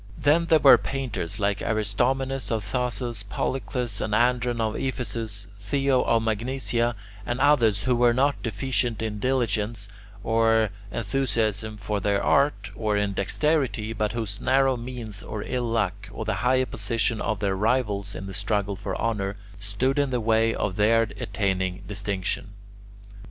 Then there were painters like Aristomenes of Thasos, Polycles and Andron of Ephesus, Theo of Magnesia, and others who were not deficient in diligence or enthusiasm for their art or in dexterity, but whose narrow means or ill luck, or the higher position of their rivals in the struggle for honour, stood in the way of their attaining distinction.